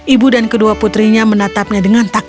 ibu dan kedua putrinya berkata